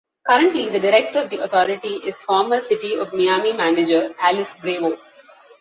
Currently, the Director of the authority is former City of Miami Manager Alice Bravo.